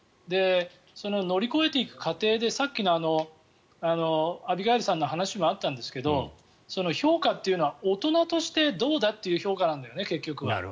乗り越えていく過程でさっきのアビガイルさんの話もあったんですが評価というのは大人としてどうかということなんだよね、結局。